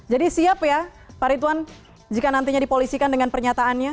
jadi siap ya pak rituan jika nantinya dipolisikan dengan pernyataannya